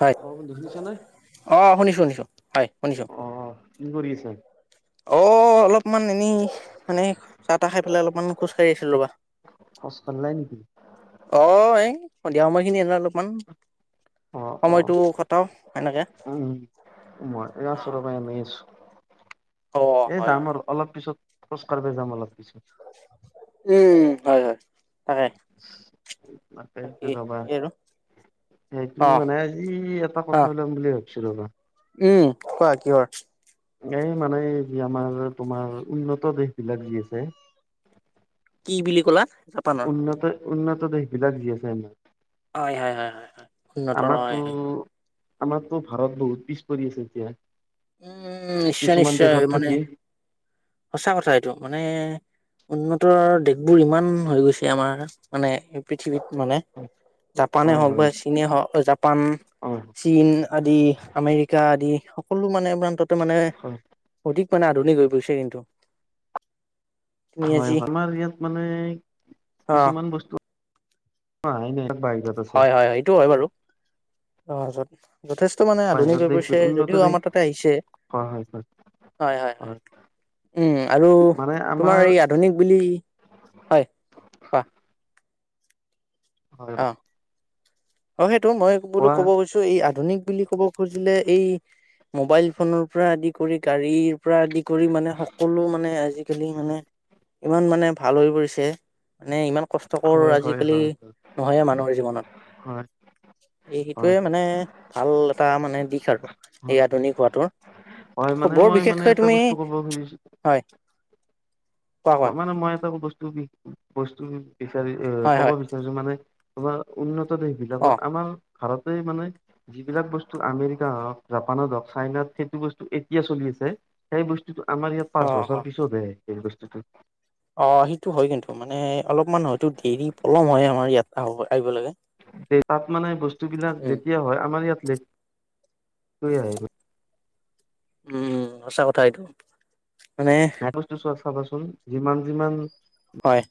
হয় অ বন্ধু শুনিছানে? অ শুনিছো শুনিছো হয় শুনিছো। অ কি কৰি আছ? অ অলপমান এনেই মানে চাহ তাহ খাই পেলাই অলপমান খোজ কাঢ়ি আছিলো ৰ'বা। [unintelligible] নেকি? অ এই সন্ধিয়া সময় খিনি এ অলপমান অ অ সময়টো কটাও সেনকে। উম [inaudible] অ এ হয় হয় যাম আৰু অলপ পিছত খচ কঢ প যাম অলপ পিছত। উম হয় হয়। তাকে বাকী [inaudible] ৰবা এই আৰু অ সেইটো মানে আজি এটা অ কথা ওলাম বুলি ভাবিছিলো ৰবা উম কোৱা কিহৰ? এই মানে যি আমাৰ তোমাৰ উন্নত দেশ বিলাক যি আছে। কি বুলি কলা। জাপানৰ? উন্নত উন্নত দেশ বিলাক যি আছে আ হয় হয় উন্নত হয় আমাৰতো ভাৰত বহুত পিছ পৰি আছে এতিয়া উম নিশ্চয় কিছুমান নিশ্চয় দেশত মানে থাকি সঁচা কথা এইটো মানে উন্নত দেশবোৰ ইমান হৈ গৈছে আমাৰ মানে পৃথিৱীত মানে জাপানে হয় হওক হয় বা চীনে হওক জাপান অ চীন আদি আমেৰিকা আদি সকলো মানে প্ৰান্ততে মানে হয় অধিক মানে আধুনিক হৈ পৰিছে কিন্তু। তুমি হয় আজি হয় আমাৰ ইয়াত মানে অ কিছুমান বস্তু অ দে ভ [unintelligible] হয় হয় এইটো হয় বাৰু তাৰ পাছত যথেষ্ট মানে আধুনিক বাহিৰত হৈ দেশ পৰিছে উন্নত যদিও দেশ আমাৰ তাতে আহিছে। হয় হয় হয় হয়, হয়, হয় উম, আৰু মানে তোমাৰ আমাৰ এই আধুনিক বুলি, হয় কোৱা? হয়। অ অ, সেইটো মই বোলো কোৱা ক'ব গৈছো এই আধুনিক বুলি ক'ব খুজিলে এই মোবাইল ফোনৰ পৰা আদি কৰি গাড়ীৰ পৰা আদি। কৰি মানে সকলো মানে আজিকালি মানে ইমান মানে ভাল হৈ পৰিছে। মানে ইমান কষ্টকৰ হয় হয় আজিকালি হয় নহয় মানুহৰ জীৱনত। হয় এই হয় সেইটোৱে, হয় মানে ভাল এটা মানে দিশ আৰু এই আধুনিক হয় হোৱাটোৰ। মানে বৰ মই মানে বিশেষকৈ এটা তুমি, বস্তু ক'ব খুজিছো হয়। কোৱা কোৱা মানে মই এটা বস্তু বস্তু বিচাৰি এ হয় কব হয় বিচাৰিছো মানে। বা উন্নত দেশবিলাক অ আমাৰ ভাৰতে মানে যিবিলাক বস্তু আমেৰিকা হওক জাপানত হওক চাইনাত সেইটো বস্তু এতিয়া চলি আছে। সেই বস্তুতটো আমাৰ ইয়াত অ পাঁচ বছৰ অ পিছত ব সেই বস্তুতটো। অ, সেইটো হয় কিন্তু। মানে, অলপমান হয়তো দেৰি পলম হয় আমাৰ ইয়াত আহব আহিব লাগে। তাত মানে বস্তুবিলাক উম যেতিয়া হয়, আমাৰ ইয়াতলেট ক আহ। উম, উম সঁচা কথা এইতো। এটা বস্তু চোৱা চাবাচোন যিমান যিমান হয়।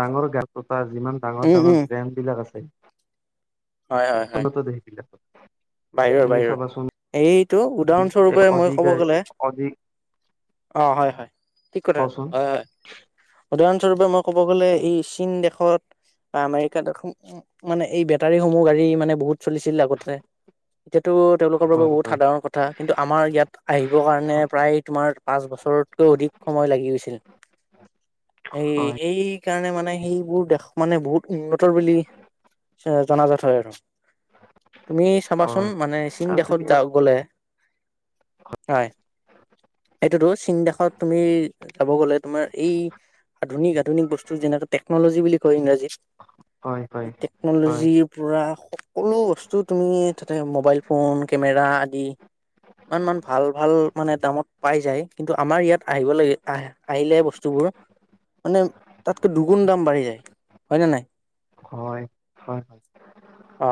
ডাঙৰ গাত্ৰতা যিমান উম উম ডাঙৰ-ডাঙৰ ব্ৰেণ্ড বিলাক আছে। হয় হয় সিল হয় [unintelligible] বাহিৰৰ, বাহিৰৰ এইটো এই উদাহৰণস্বৰূপে মই কব অধিকাই গলে অধিক অ, হয়, হয় ঠিক কথা কচোন হয়, হয়। উদাহৰণস্বৰূপে মই ক'ব গ'লে এই চীন দেশত আমেৰিকাত এখন মানে এই বেটাৰীসমূহ গাড়ী মানে বহুত চলিছিল আগতে। এতিয়াতো তেওঁলোকৰ বাবে হয় বহুত হয় সাধাৰণ কথা। কিন্তু, আমাৰ ইয়াত আহিবৰ কাৰণে প্ৰায় তোমাৰ পাঁচ বছৰতকৈও অধিক সময় লাগি গৈছিল। উম। এই, এই সেইকাৰণে মানে সেইবোৰ দেশ মানে বহুত উন্নতৰ বুলি জনাজাত হয় আৰু। তুমি চাবাচোন হয় মানে চীন আৰু তুমি দখতা ইয়াত গলে হয়। এইটো দোজ চীন দখত তুমি যাব গলে তোমাৰ এই আধুনিক আধুনিক বস্তু যেনেটো টেকনলজী বুলি কয় ইংৰাজীত। হয় হয় হয় টেকনলজিৰ পৰা সকলো বস্তু তুমি মোবাইল ফোন কেমেৰা আদি ইমান মান ভাল ভাল মানে দামত পাই যায়। কিন্তু, আমাৰ ইয়াত আহিব লাগে আহ আহিলে বস্তুবোৰ মানে তাতকৈ দুগুণ দাম বাঢ়ি যায় হয় ন নাই? হয়, হয় অ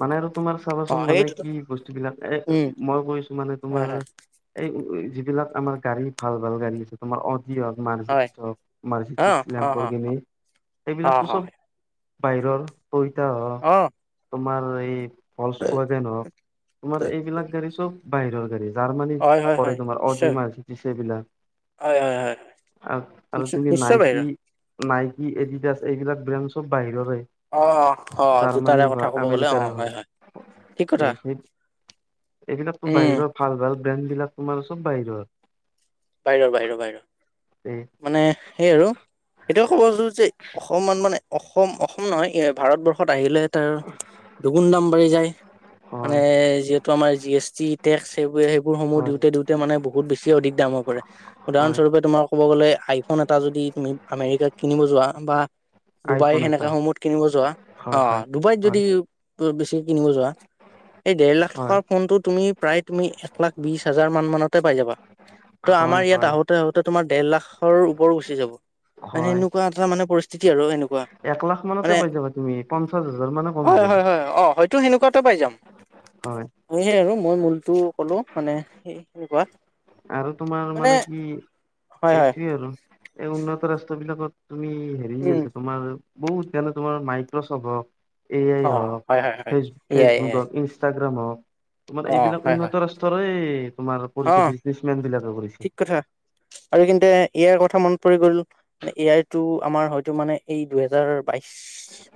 মানে আৰু তোমাৰ অ চাবাচোন মানে সেইটোতো কি বস্তু বিলাক এ উম মই কৈছো মানে হয় তোমাৰ হয় এই যিবিলাক আমাৰ গাড়ী ভাল-ভাল গাড়ী আছে তোমাৰ। অ, যি হওক হয় মাৰচিডিচ হওক অ মাৰচিডিচ অ অ অ লেম্বৰগিনি অ সেইবিলাকো চব হয় বাহিৰৰ কইতা হ অ তোমাৰ এই ফলচ পোৱাকে নহওক তোমাৰ এইবিলাক গাড়ী চব বাহিৰৰ গাড়ী। জাৰ্মানী হয় হয় পৰে হয় তোমাৰ অদি নিশ্চয় মাৰচিদিছ এইবিলাক। হয় হয় হয় আৰু তুমি নিশ্চয় বাহিৰ নাইকি, নাইকি এডিডাছ এইবিলাক ব্ৰেণ্ড চব বাহিৰৰে। অ অ অ জাৰ্মানী জোতাৰে বা কথা ক'ব গ'লে অ আমেৰিকাৰ হল হয় হয় ঠিক কথা সেই। এইবিলাকো উম বাহিৰৰ ভাল ভাল ব্ৰেণ্ড বিলাক তোমাৰ চব বাহিৰৰ। বাহিৰৰ, বাহিৰৰ, বাহিৰৰ। এই মানে সেই আৰু সেইটোয়ে ক'বো যে অসমান মানে অসম অসম নহয় এ ভাৰতবৰ্ষত আহিলে তাৰ দুগুণ দাম বাঢ়ি যায়। হয় মানে যিহেতু আমাৰ জি এছ টি টেক্স এইবোৰ সেইবোৰ সমূহ হয় দিওঁতে দিওঁতে মানে বহুত বেছি অধিক দামত উদাহৰণ হয় স্বৰূপে তোমাৰ কব গলে আইফোন এটা যদি তুমি আমেৰিকাত কিনিব যোৱা বা ডুবাই আইফোন এটা সেনেকা সময়ত কিনিব যোৱা অ হয় হয় ডুবাইত হয় যদি বেছিক কিনিব যোৱা এই দেৰ লাখ হয় টকাৰ ফোনটো তুমি প্ৰায় তুমি এক লাখ বিশ হাজাৰ মান মানতে পাই যাবা। তো হয় আমাৰ ইয়াত হয় আহোতে আহোঁতে তোমাৰ দেৰ লাখৰ ওপৰো গুচি যাব। মানে হয় এনেকুৱা এটা মানে পৰিস্থিতি আৰু এনেকুৱা পঞ্চাচতে মানে পাই যাবা তুমি হাজাৰ মানে কম হৈ হয় যাব হয় হয় অ হয়তো সেনেকুৱা পাই যাম হয় সেয়া আৰু মই মূলটো কলো মানে সেনেকুৱা আৰু তোমাৰ মানে কি হয় হয় এইটোয়ে আৰু এই উন্নত ৰাষ্ট্ৰ বিলাকত তুমি হেৰি উম আছ তোমাৰ বহুত জানো তোমাৰ মাইক্ৰচফট হওঁক এ আই অ হওক, হয় হয় হয় ফেচ এয়াই ফেচবুক এয়াই হওক, ইনষ্ট হম তোমাৰ অ এইবিলাক হয় হয় উন্নত ৰাষ্ট্ৰৰেই তোমাৰ অ পৰিৱ ঠিক কথা আৰু এইখিনিতে এ আই কথা মন পৰি গ'ল মানে এ আইটো আমাৰ হয়তো মানে এই দুহেজাৰ বাইশ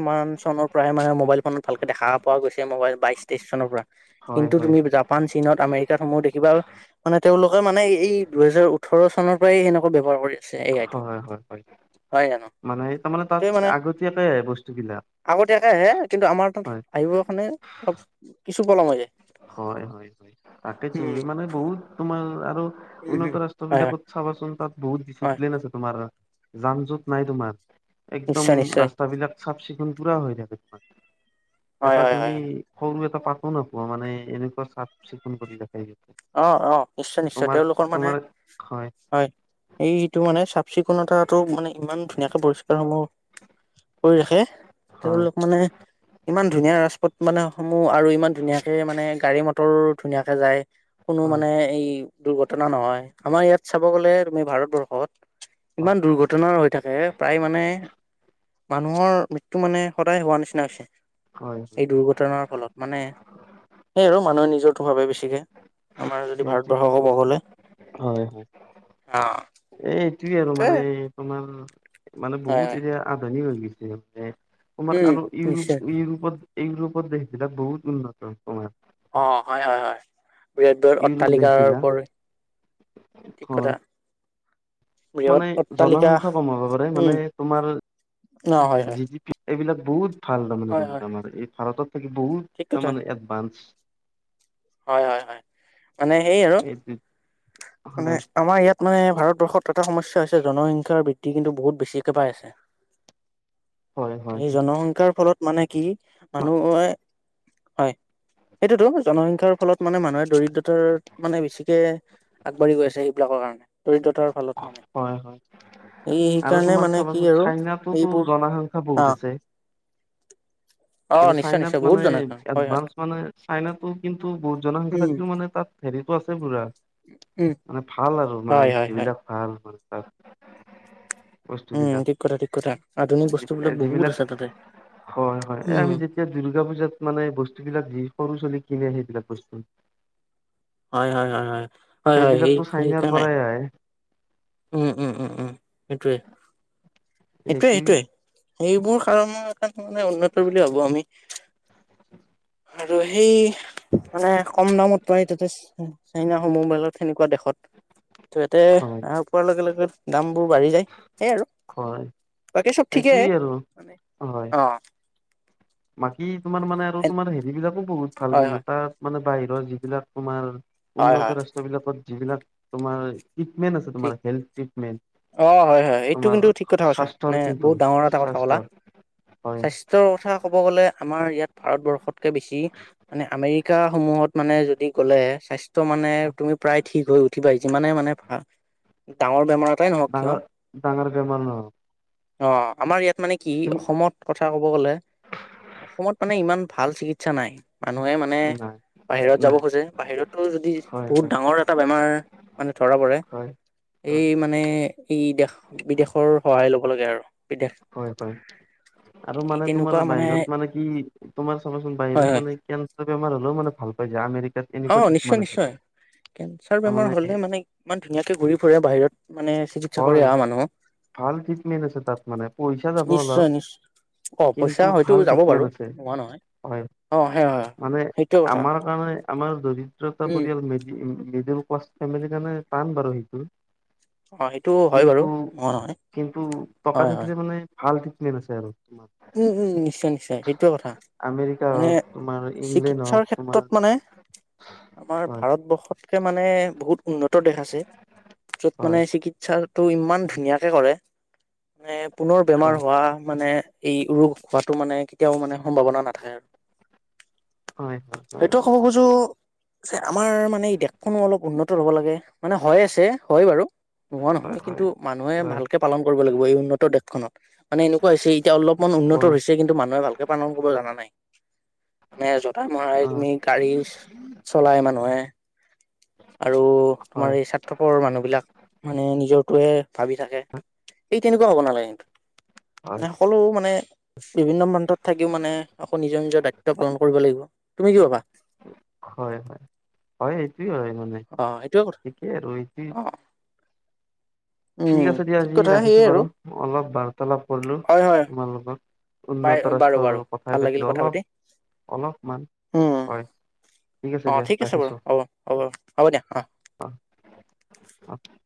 মান চন প্ৰায় মানে মোবাইল ফোনত ভালকে দেখা পোৱা গৈছে মোবাইল বাইছ তেইচ চনৰ পৰা হয় কিন্তু হয় তুমি হয়। জাপান, চীনত, আমেৰিকা সমূহ দেখিবা মানে তেওঁলোকে মানে এই দুহেজাৰ ওঠৰ চনৰ পৰাই সেনেকুৱা ব্যৱহাৰ কৰে। হয় হয় হয় মানে তাৰমানে তাত এইটোৱে মানে আগতীয়াকেই বস্তুবিলাক। আগতীয়াকে আহে কিন্তু আমাৰ তাত হয় আহিবৰ কাৰণে অলপ কিছু পলম হৈ যায়। হয় হয় হয় তাকে উম, তুমি মানে বহুত তোমাৰ আৰু উম, উম, উন্নত ৰাষ্ট্ৰ হয়, হয়, বিলাকত চাবাচোন তাত বহুত হয়, ডিচিপ্লিন আছে তোমাৰ যান জোঁট নাই তোমাৰ। একদম নিশ্চয়, নিশ্চয়, ৰাস্তাবিলাক চাফ চিকুণ পূৰা হৈ থাকে তোমাৰ। হয়, এটা হয়, তুমি হয়, হয়। সৰু এটা পাতো নোপোৱা মানে এনেকুৱা চাফ চিকুণ কৰি ৰাখে। সিহঁতে। অ অ নিশ্চয় নিশ্চয় তোমাৰ তেওঁলোকৰ মানে তোমাৰ হয় এই যিটো মানে চিকুণতাটো মানে ইমান ধুনীয়াকে পৰিষ্কাৰসমূহ কৰি ৰাখে, হয় তেওঁলোক মানে ইমান ধুনীয়া ৰাজপথ মানে সমূহ আৰু ইমান ধুনীয়াকে মানে গাড়ী মটৰ ধুনীয়াকে যায়। কোনো হয় মানে এই দুৰ্ঘটনা নহয় আমাৰ ইয়াত চাব গ'লে তুমি ভাৰতবৰ্ষত ইমান দুৰ্ঘটনাৰ হৈ থাকে প্ৰায় মানে মানুহৰ মৃত্যু মানে সদায় হোৱা নিচিনা হৈছে। হয় হয় এই দুৰ্ঘটনাৰ ফলত মানে সেই আৰু মানুহে নিজৰতো ভাবে বেছিকে। আমাৰ যদি সেইটোৱে ভাৰতবৰ্ষ কব গলে হয় অ সেইটোয়ে আৰু সেইটোৱে মানে তোমাৰ মানে হয় বহুত হয় এতিয়া আদানী হৈ গৈছে মে তোমাৰ উম আৰু ইউৰোপ নিশ্চয় -ইউৰোপত -ইউৰোপত দেশবিলাক বহুত উন্নত তোমাৰ। অ হয় হয় হয়। বৃহৎ তৰ ইউৰোপ দেশ অট্টালিকাৰৰ বিলাক ওপৰি ঠিক হয় কথা। বৃহৎ মানে অট্টালিকা জনসংখ্যা কম হ'ব পাৰে উম মানে তোমাৰ ন হয় হয় যি এইবিলাক বহুত ভাল তাৰমানে হয় হয় ত আমাৰ এই ভাৰতত থাকি বহুত ঠিক কথা তাৰমানে এডভান্স। হয় হয় হয়, মানে সেই আৰু এইটো মানে হয় আমাৰ ইয়াত মানে ভাৰত ভাৰতবৰ্ষত এটা সমস্যা হৈছে জনসংখ্যাৰ বৃদ্ধি কিন্তু বহুত বেছিকে পাই আছে। হয় হয় এই জনসংখ্যাৰ ফলত মানে কি মানুহে হয় সেইটোতো জনসংখ্যাৰ ফলত মানে মানুহে দৰিদ্ৰতাৰ মানে বেছিকে আগবাঢ়ি গৈ আছে এইবিলাকৰ কাৰণে দৰিদ্ৰতাৰ ফলত। মানে হয় হয়। এই আৰু সেইকাৰণে তোমাৰ মানে কি চাবাচোন আৰু চাইনাতো এইবোৰ জনসংখ্যা অ বহুত আছে। অ কিন্তু নিশ্চয় চাইনাত নিশ্চয় বহুত মানে জনসংখ্যা হয় হয় এডভাঞ্চ মানে চাইনাতো কিন্তু বহুত জনসংখ্যা উম থাকিলেও মানে তাত সেইটো আছে পুৰা উম মানে ভাল আৰু মানে হয় হয় হয় সেইবিলাক ভাল মানে তাত। বস্তু উম বিলাক ঠিক কথা ঠিক কথা আধুনিক বস্তুবিলাক বহুত যিবিলাক আছে তাতে। হয় হয়। এই উম। আমি যেতিয়া দ দুৰ্গা পূজাত মানে বস্তুবিলাক যি সৰু ছোলী কিনে সেইবিলাক বস্তু হয় হয় হয় হয় হয় সেইবিলাকতো চাইনাৰ সেইকাৰণে। পৰাই আহে উম উম উম উম সেইটোৱে। সেইটোয়ে এইটোই সেইটোয়ে সেইবোৰ কাৰণৰ এটা মানে উন্নত বুলি ভাবো আমি। আৰু সেই। মানে কম দামত পাই তাতে চাইনাসমূহ মাজত সেনেকুৱা দেশত ত' ইয়াতে হয় আহ পোৱাৰ লগে লগে দাম বোৰ বাঢ়ি যায়। সেইয় আৰু হয় বাকী চব ঠিকে এইটোয়ে আৰু মানে হয় অ। বাকী তোমাৰ মানে আৰু তোমাৰ হেৰিবিলাকো বহুত ভাল হয় কিন্তু হয় তাত মানে বাহিৰৰ যিবিলাক তোমাৰ হয় হয় উন্নত ৰাষ্ট্ৰ বিলাকত যিবিলাক তোমাৰ ট্ৰিটমেন্ট আছে ঠিক তোমাৰ হেল্থ ট্ৰিটমেন্ট অ হয় হয় এইটো তোমাৰ কিন্তু ঠিক কথা কৈছা স্বাস্থ্যৰ মানে কিন্তু বহুত ডাঙৰ এটা কথা কলা স্বাস্থ্যৰ হয় স্বাস্থ্যৰ কথা ক'ব গ'লে আমাৰ ইয়াত ভাৰতবৰ্ষতকে বেছি মানে আমেৰিকা সমূহ ত মানে যদি গলে স্বাস্থ্য মানে তুমি প্ৰায় ঠিক হৈ উঠিবা যিমানে মানে ভ ডাঙৰ বেমাৰৰ ডাঙৰ- ডাঙৰ বেমাৰ নহয়। অ আমাৰ ইয়াত মানে কি তুমি অসমত কথা কব গলে অসমত মানে ইমান ভাল চিকিৎসা নাই। মানুহে মানে নাই বাহিৰত যাব নাই খোজে বাহিৰতটো যদি হয় বহুত হয় ডাঙৰ এটা বেমাৰ মানে ধৰা পৰে, হয় এই হয় মানে ই দেশ বিদেশৰ সহায় ল'ব লাগে আৰু বিদেশ হয় হয়। আৰু এই মানে তোমাৰ তেনেকুৱা বাহিৰত মানে কি তোমাৰ চাবাচোন হয় বাহিৰত হয় মানে কে বেমাৰ হলেও মে ভাল পাই যায়। আমেৰি অ নিশ্চয় নিশ্চয় কেঞ্চাৰ তাৰমানে বেমাৰ হলে মানে ইমান ধুনীয়াকে ঘূৰি ফুৰে বাহিৰত। মানে চিকিৎসা কৰি হয় অহা মানুহ। ভাল ট্ৰিটমেণ্ট আছে তাত মানে পইচা যাব নিশ্চয় অলপ। নিশ্চয়। অ পইচা কিন্তু হয়তো ভাল যাব বাৰু ট্ৰিটমেণ্ট আছে। নোহোৱা নহয়। হয় অ সেই হয় মানে সেইটোৱে কথা। আমাৰ কাৰণে। আমাৰ দৰিদ্ৰতা উম পৰিয়াল ম মিডিল ক্লাছ ফেমিলিৰ কাৰণে টান বাৰু সেইটো। অ সেইটো হয় বাৰু কিন্তু ম কিন্তু টকা থাকিলে মানে ভাল ট্ৰিটমেণ্ট আছে আৰু। তোমাৰ উম, উম নিশ্চয়- নিশ্চয় সেইটোৱে কথা আমেৰিকা মানে হওক তোমাৰ ইংলেণ্ড চিকিৎসাৰ হওক তোমাৰ ক্ষেত্ৰত মানে আমাৰ হয় ভাৰতবৰ্ষত মানে বহুত উন্নত দেশ আছে য'ত মানে চিকিৎসাৰ। তটো ইমান ধুনীয়াকে কৰে মানে পুনৰ বেমাৰ হয় হোৱা মানে। এই ৰোগ হোৱাটো মানে কেতিয়াও মানে সম্ভাৱনা নাথাকে আৰু। হয় হয় হয় সেইটোয় হয় ক'ব খুজো যে আমাৰ মানে এই দেশখনো অলপ উন্নত। হ'ব লাগে মানে হয় আছে হয় বাৰু। নোহোৱা হয় নহয় কিন্তু হয় মানুহে হয় ভালকে পালন কৰিব লাগিব এই উন্নত দেশখনত মানে এনেকুৱা হৈছে। এতিয়া অলপমান উন্নত হয় হৈছে কিন্তু মানুহে ভালকে পালন কৰিব জানা নাই। মানে যতাই মৰাই অ তুমি গাড়ী চলাই মানুহে। আৰু হয় তোমাৰ এই স্বাৰ্থৰপৰ মানুহ বিলাক মানে নিজৰটোৱে। ভাবি থাকে সেই তেনেকুৱা হ'ব নালাগে কিন্তু হয় মানে সকলো মানে। বিভিন্ন প্ৰান্তত থাকিও মানে আকৌ নিজৰ নিজৰ দায়িত্ব পালন কৰিব লাগিব তুমি কি কবা। হয় হয় হয় সেইটোৱে হয়। মানে অ সেইটোয়ে কথা ঠিকেই আৰু এইটো। অ উম ঠিক আছে দিয়া আজি কথা ৰাখিছো সেয়ে আৰু বাৰু অলপ বাৰ্তালাপ কৰিলো হয় হয় তোমাৰ লগত। বাই উন্নত বাৰু বাৰু ৰাষ্ট্ৰৰ কথা ভাল লাগিল পাতিলো পাতি। অলপ অলপমান উম। হয়। ঠিক আছে অ', দিয়া ঠিক বাৰু ৰাখিছো হ'ব হ'ব হ'ব দিয়া অ'। অ অ।